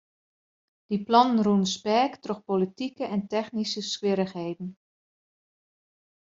Dy plannen rûnen speak troch politike en technyske swierrichheden.